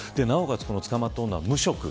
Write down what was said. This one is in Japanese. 捕まった女は無職。